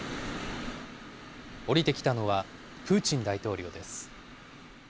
降りてきたのは、プーチン大統領です。